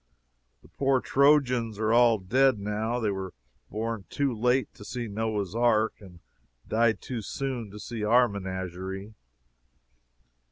The poor Trojans are all dead, now. They were born too late to see Noah's ark, and died too soon to see our menagerie.